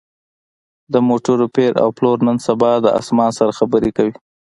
د موټرو پېر او پلور نن سبا د اسمان سره خبرې کوي